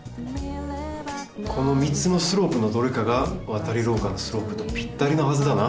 この３つのスロープのどれかがわたりろうかのスロープとぴったりなはずだな。